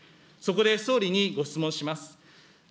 そこで総理にご質問します。